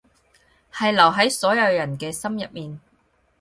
係留喺所有人嘅心入面